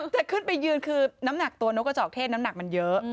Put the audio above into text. แต่ขึ้นไปยืนคือน้ำหนักตัวนกกระจอกเทศน้ำหนักมันเยอะ